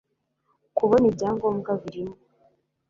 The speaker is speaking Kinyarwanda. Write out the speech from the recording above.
kubona ibyangombwa birimo